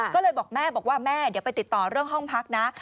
ก็เลยบอกแม่บอกว่าแม่เดี๋ยวไปติดต่อเรื่องห้องพักนะ